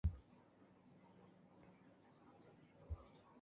Ги закопавме старите радија на нашите баби и дедовци.